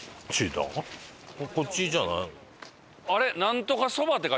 こっちじゃないの？